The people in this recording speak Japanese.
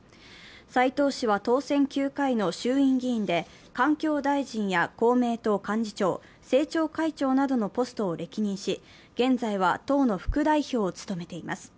斉藤氏は当選９回の衆院議員で、環境大臣や公明党幹事長、政調会長などのポストを歴任し、現在は党の副代表を務めています。